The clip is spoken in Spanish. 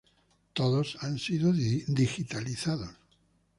Todos han sido digitalizados.